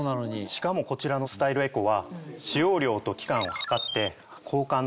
しかもこちらのスタイルエコは。